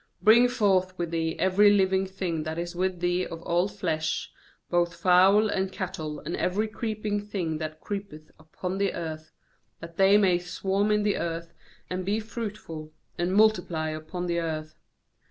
17Bring forth with thee every living thing that is with thee of all flesh, both fowl, and cattle, and every creeping thing that creep eth upon the earth; that they may swarm in the earth, and be fruitful, and multiply upon the earth.'